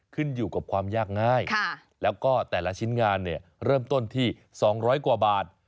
ขึ้นอยู่กับความยากง่ายแล้วก็แต่ละชิ้นงานเนี่ยเริ่มต้นที่๒๐๐กว่าบาท